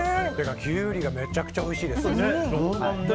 キュウリがめちゃくちゃおいしいです。